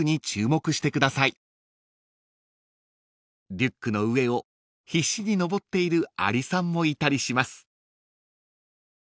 ［リュックの上を必死に登っているアリさんもいたりします］